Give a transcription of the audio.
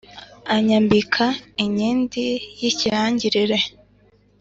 Anyambika inkindi y'ikirangirire